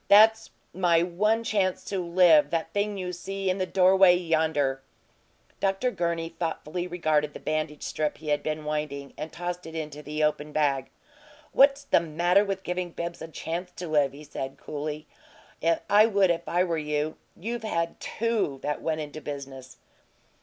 "That's my one chance to live that thing you see in the doorway yonder!" Dr. Gurney thoughtfully regarded the bandage strip he had been winding, and tossed it into the open bag. "What's the matter with giving Bibbs a chance to live?" he said, coolly. "I would if I were you. You've had TWO that went into business."